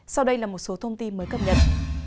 sau đây là một số thông tin mới cập nhật